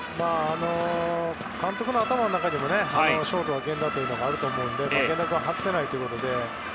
監督の頭の中にもショートは源田というのがあると思うので源田君は外せないということで。